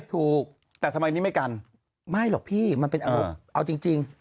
ถูกแต่ทำไมนี่ไม่กันไม่หรอกพี่มันเป็นอาวุธเอาจริง